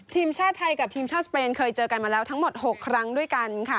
ทีมชาติไทยกับทีมชาติสเปนเคยเจอกันมาแล้วทั้งหมด๖ครั้งด้วยกันค่ะ